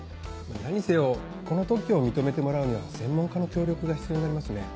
何せよこの特許を認めてもらうには専門家の協力が必要になりますね。